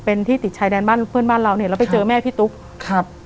เป็นที่ติดชายแดนบ้านเพื่อนบ้านเราเนี่ยแล้วไปเจอแม่พี่ตุ๊กครับ